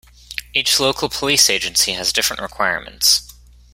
Each local Police agency has different requirements.